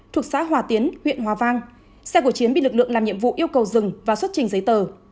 thuộc xã hòa tiến huyện hòa vang xe của chiến bị lực lượng làm nhiệm vụ yêu cầu dừng và xuất trình giấy tờ